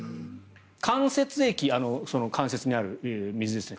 関節液、関節にある水ですね